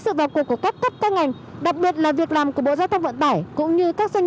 sự vào cuộc của các cấp các ngành đặc biệt là việc làm của bộ giao thông vận tải cũng như các doanh